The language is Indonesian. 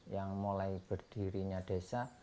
yang mulai berdirinya desa